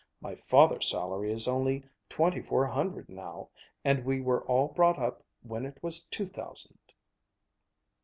My father's salary is only twenty four hundred now, and we were all brought up when it was two thousand."